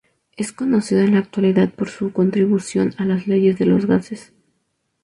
Es conocido en la actualidad por su contribución a las leyes de los gases.